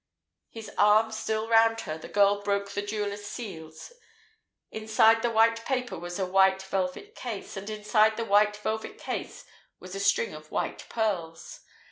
His arm still round her, the girl broke the jeweller's seals. Inside the white paper was a white velvet case, and inside the white velvet case was a string of white pearls.